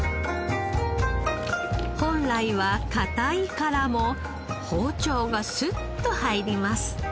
本来は硬い殻も包丁がスッと入ります。